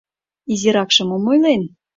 Изиракше мом ойлен